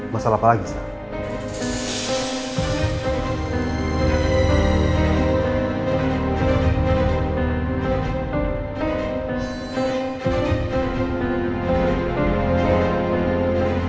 masalah apa lagi pak